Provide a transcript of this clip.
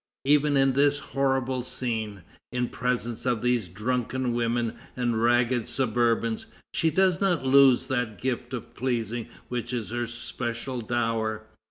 Even in this horrible scene, in presence of these drunken women and ragged suburbans, she does not lose that gift of pleasing which is her special dower.